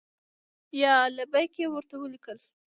یا لبیک! یې ورته ولیکل.